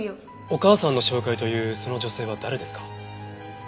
お義母さんの紹介というその女性は誰ですか？